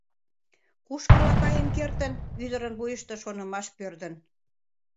«Кушкыла каен кертын? — ӱдырын вуйыштыжо шонымаш пӧрдын.